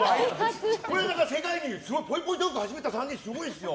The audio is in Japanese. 世界にぽいぽいトークを始めた３人すごいですよ。